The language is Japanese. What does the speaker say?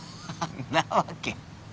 んなわけ